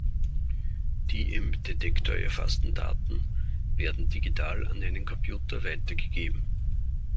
Die im Detektor erfassten Daten werden digital an einen Computer weitergegeben.